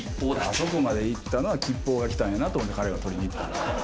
あそこまで行ったのは吉報が来たんやなと思って、彼は取りに行ったと。